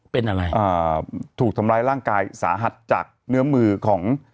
เป็นอะไรอ่าถูกทำร้ายร่างกายสาหัสจากเนื้อมือของ